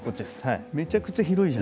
めちゃくちゃ広いじゃん。